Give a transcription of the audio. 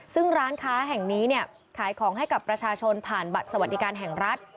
ซึ่งร้านค้าแห่งนี้เนี่ยขายของให้กับประชาชนผ่านบัตรสวัสดิการแห่งรัฐ